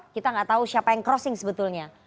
kita nggak tahu siapa yang crossing sebetulnya